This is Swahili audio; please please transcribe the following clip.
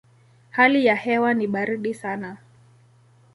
Hali ya hewa ni baridi sana.